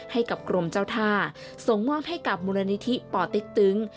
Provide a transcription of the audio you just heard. ให้กับกรมเจ้าท่าส่งมอบให้กับมูลนิธิป่อเต็กตึง